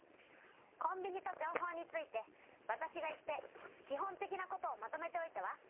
コンビニと情報についてわたしが行ってき本的なことをまとめておいたわ。